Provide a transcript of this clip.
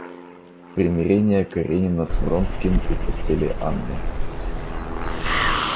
Примирение Каренина с Вронским у постели Анны.